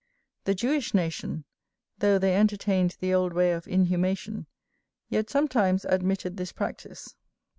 The Jewish nation, though they entertained the old way of inhumation, yet sometimes admitted this practice.